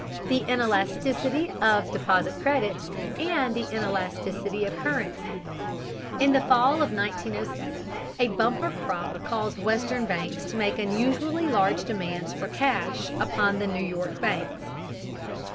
_ the inelasticity of deposit credit and the inelasticity of currency. In the fall of 1907, a bumper crop caused Western banks to make unusually large demands for cash upon the New York banks.